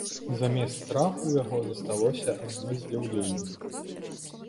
Замест страху ў яго засталося адно здзіўленне.